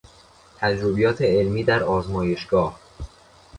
تجربیات علمی در آزمایشگاه